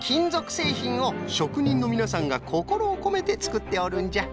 せいひんをしょくにんのみなさんがこころをこめてつくっておるんじゃ。